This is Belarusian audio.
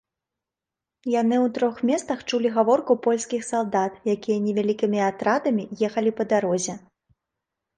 Яны ў трох месцах чулі гаворку польскіх салдат, якія невялікімі атрадамі ехалі па дарозе.